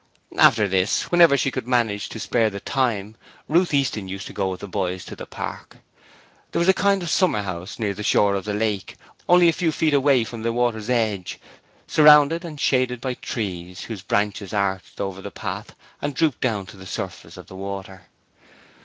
After this, whenever she could manage to spare the time, Ruth Easton used to go with the children to the park. There was a kind of summer house near the shore of the lake, only a few feet away from the water's edge, surrounded and shaded by trees, whose branches arched over the path and drooped down to the surface of the water.